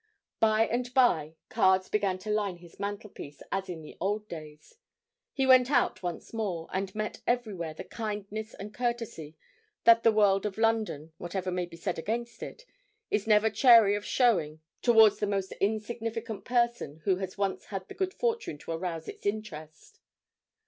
By and by cards began to line his mantelpiece as in the old days; he went out once more, and met everywhere the kindness and courtesy that the world of London, whatever may be said against it, is never chary of showing towards the most insignificant person who has once had the good fortune to arouse its interest.